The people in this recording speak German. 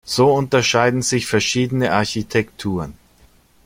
So unterscheiden sich verschiedene Architekturen.